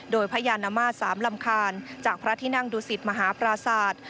โดยพญานมาตร๓ลำคาญจากพระที่นั่งดูสิตมหาปราศาสตร์